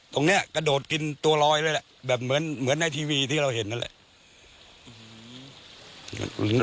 กระโดดกินตัวลอยเลยแหละแบบเหมือนในทีวีที่เราเห็นนั่นแหละ